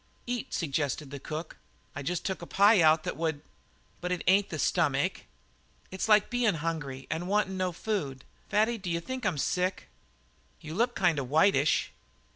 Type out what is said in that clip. "Eat," suggested the cook. "I just took out a pie that would " "But it ain't the stomach. It's like bein' hungry and wantin' no food. Fatty, d'you think I'm sick?" "You look kind of whitish."